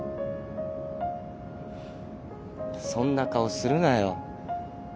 そんな顔するなよ。